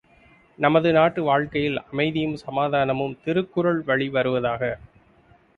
நமது நாட்டு வாழ்க்கையில் அமைதியும் சமாதானமும் திருக்குறள் வழி வருவதாகுக!